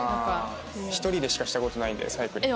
１人でしかした事ないんでサイクリング。